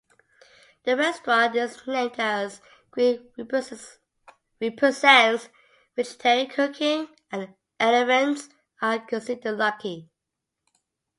The restaurant is named as green represents vegetarian cooking and elephants are considered lucky.